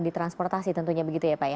ditransportasi tentunya begitu ya pak